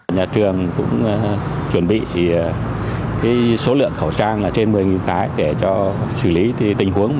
nhà trường cũng chuẩn bị số lượng khẩu trang trên một mươi cái để xử lý tình huống